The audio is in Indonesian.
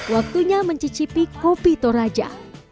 waktunya mencicipi kopi toraja